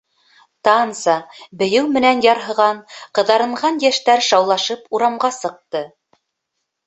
Танса, бейеү менән ярһыған, ҡыҙарынған йәштәр шаулашып урамға сыҡты.